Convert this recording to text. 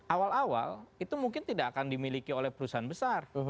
awal awal itu mungkin tidak akan dimiliki oleh perusahaan besar